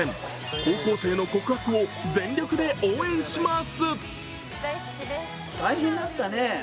高校生の告白を全力で応援します。